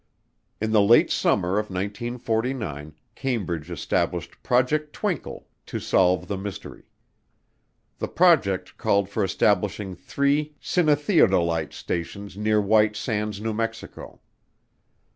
In the late summer of 1949, Cambridge established Project Twinkle to solve the mystery. The project called for establishing three cinetheodolite stations near White Sands, New Mexico.